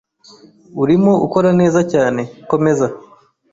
Urimo ukora neza cyane. Komeza.